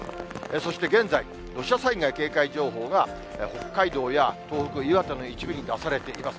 そして現在、土砂災害警戒情報が北海道や東北・岩手の一部に出されています。